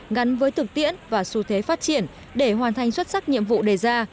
gắn với thực tiễn và xu thế phát triển để hoàn thành xuất sắc nhiệm vụ đề ra